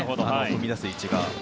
踏み出す位置が。